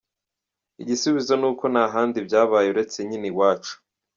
Igisubuzo ni uko nta handi byabaye, uretse nyine iwacu!